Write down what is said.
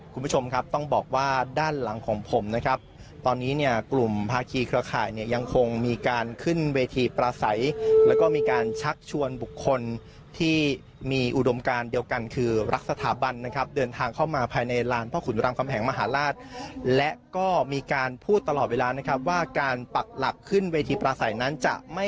คุณผู้ชมครับต้องบอกว่าด้านหลังของผมนะครับตอนนี้เนี่ยกลุ่มภาคีเครือข่ายเนี่ยยังคงมีการขึ้นเวทีปลาใสแล้วก็มีการชักชวนบุคคลที่มีอุดมการเดียวกันคือรักสถาบันนะครับเดินทางเข้ามาภายในลานพ่อขุนรามคำแหงมหาราชและก็มีการพูดตลอดเวลานะครับว่าการปักหลักขึ้นเวทีประสัยนั้นจะไม่